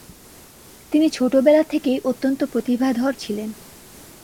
তিনি ছোটবেলা থেকেই অত্যন্ত প্রতিভাধর ছিলেন।